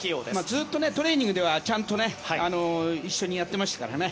ずっとトレーニングでは一緒にやってましたからね。